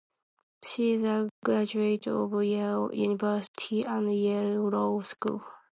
She is a graduate of Yale University and Yale Law School.